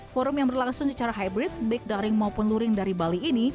forum yang berlangsung secara hybrid big daring maupun luring dari bali ini